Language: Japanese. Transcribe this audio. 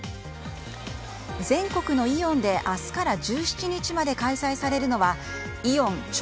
全国のイオンで明日から１７日まで開催されるのはイオン超！